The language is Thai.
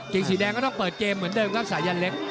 งสีแดงก็ต้องเปิดเกมเหมือนเดิมครับสายันเล็ก